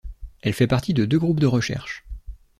Elle fait partie de deux groupes de recherches.